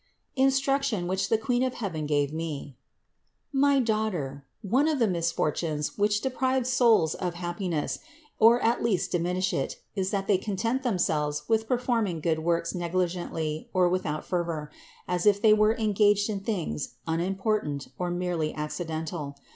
INSTRUCTION WHICH THE QUEEN OF HEAVEN GAVE ME. 594. My daughter, one of the misfortunes, which de prive souls of happiness, or at least diminish it, is that they content themselves with performing good works negligently or without fervor, as if they were engaged in things unimportant or merely accidental.